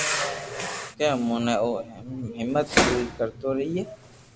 ڪہ اموري او ھميسہ پوري ڪرتو رھئي